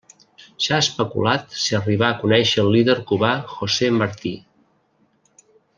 S'ha especulat si arribà a conèixer el líder cubà José Martí.